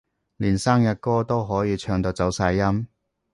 連生日歌都可以唱到走晒音